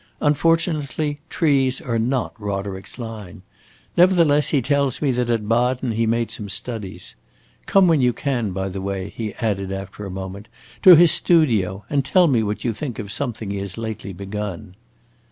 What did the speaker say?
"Unfortunately trees are not Roderick's line. Nevertheless, he tells me that at Baden he made some studies. Come when you can, by the way," he added after a moment, "to his studio, and tell me what you think of something he has lately begun."